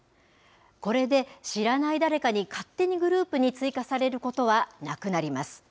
これで知らない誰かに勝手にグループに追加されることはなくなります。